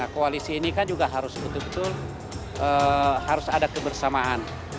koalisi ini kan juga harus betul betul harus ada kebersamaan